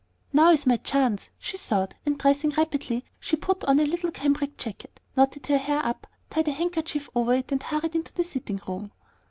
"Now is my chance," she thought; and dressing rapidly, she put on a little cambric jacket, knotted her hair up, tied a handkerchief over it, and hurried into the sitting room.